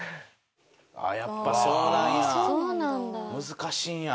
ああやっぱそうなんや。